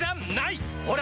ほら！